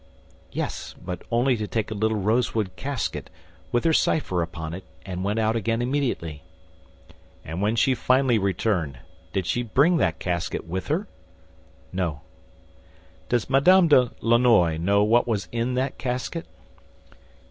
"Yes; but only to take a little rosewood casket, with her cipher upon it, and went out again immediately." "And when she finally returned, did she bring that casket with her?" "No." "Does Madame de Lannoy know what was in that casket?"